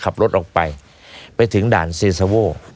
ขับรถออกไปไปถึงด่านเซซาโว